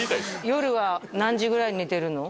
夜は何時ぐらいに寝てるの？